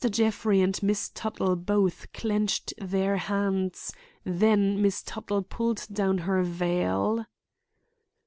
Jeffrey and Miss Tuttle both clenched their hands; then Miss Tuttle pulled down her veil.